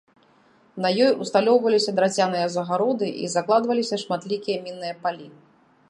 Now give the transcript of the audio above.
На ёй ўсталёўваліся драцяныя загароды і закладваліся шматлікія мінныя палі.